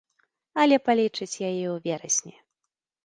Але палічыць яе ў верасні.